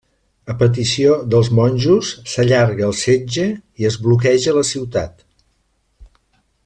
A petició dels monjos, s'allarga el setge i es bloqueja la ciutat.